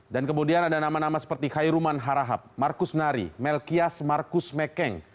dan kemudian ada nama nama seperti khairuman harahap markus nari melkias markus mekeng